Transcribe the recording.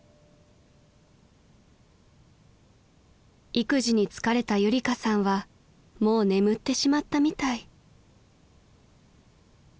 ［育児に疲れたゆりかさんはもう眠ってしまったみたい］